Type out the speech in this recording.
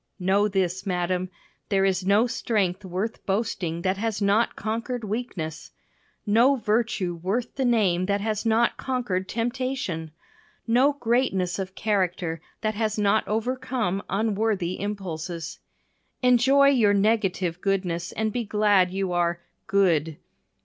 Know this, madam, there is no strength worth boasting that has not conquered weakness. No virtue worth the name that has not conquered temptation. No greatness of character that has not overcome unworthy impulses. Enjoy your negative goodness and be glad you are "good."